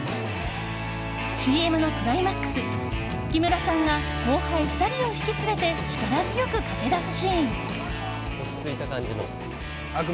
ＣＭのクライマックス木村さんが後輩２人を引き連れて力強く駆け出すシーン。